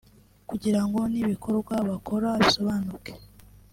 kugira ngo n’ibikorwa bakora bisobanuke